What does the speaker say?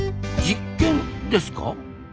実験ですか？